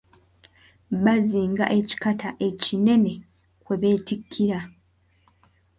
Bazinga ekikata ekinene kwe beetikkira.